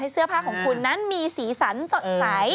เสื้อผ้าของคุณนั้นมีสีสันสดใส